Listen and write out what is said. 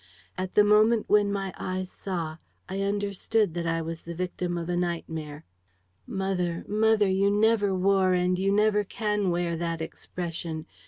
At the moment when my eyes saw, I understood that I was the victim of a nightmare. "Mother, mother, you never wore and you never can wear that expression.